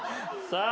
さあ！